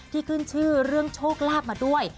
ขึ้นชื่อเรื่องโชคลาภมาด้วย